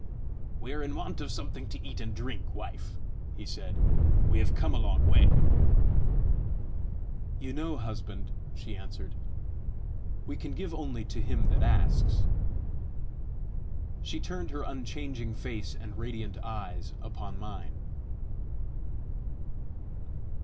"We are in want of something to eat and drink, wife," he said; "we have come a long way!" "You know, husband," she answered, "we can give only to him that asks." She turned her unchanging face and radiant eyes upon mine.